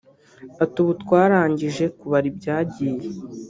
Ati “Ubu twarangije kubara ibyagiye